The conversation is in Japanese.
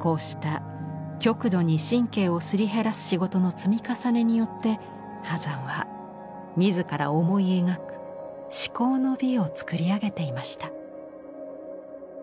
こうした極度に神経をすり減らす仕事の積み重ねによって波山は自ら思い描く至高の美を作り上げていました。